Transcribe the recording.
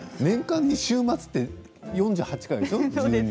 年間に週末は４８回でしょ。